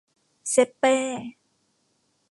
เซ็ปเป้